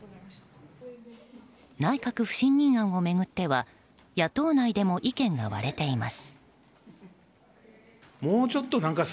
内閣不信任案を巡っては野党内でも意見が割れています。